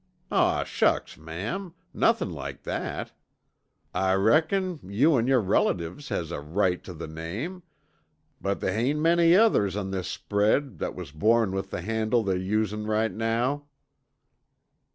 "Aw, shucks, ma'am nothin' like that. I reckon you an' yore relatives has a right tuh the name, but they hain't many others on this spread that was born with the handle they're usin' right now."